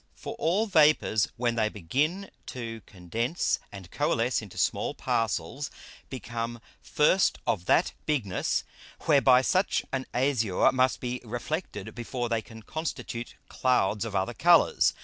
For all Vapours when they begin to condense and coalesce into small Parcels, become first of that Bigness, whereby such an Azure must be reflected before they can constitute Clouds of other Colours.